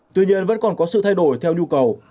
tuy nhiên vẫn còn có sự thay đổi theo nhu cầu